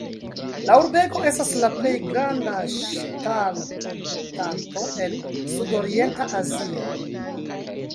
La urbego estas la plej granda ŝtalproduktanto en Sudorienta Azio.